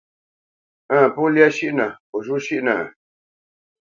Ǝ̂ŋ, pó lyá shʉ́ʼnǝ, ó zhû shʉ́ʼnǝ ?